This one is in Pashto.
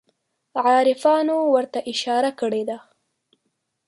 عارفانو ورته اشاره کړې ده.